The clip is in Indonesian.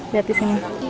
lihat di sini